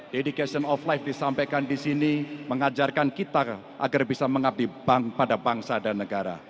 dedication of life disampaikan di sini mengajarkan kita agar bisa mengabdi pada bangsa dan negara